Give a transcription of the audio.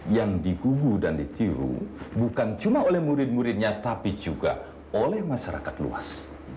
yang dikubu dan ditiru bukan cuma oleh murid muridnya tapi juga oleh masyarakat luas